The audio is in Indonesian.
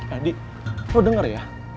jadi lo denger ya